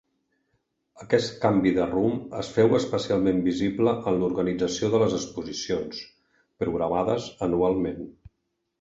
Aquest canvi de rumb es féu especialment visible en l'organització de les exposicions, programades anualment.